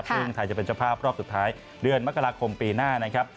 ซึ่งไทยจะเป็นเจ้าภาพรอบสุดท้ายเดือนมกราคมปีหน้านะครับ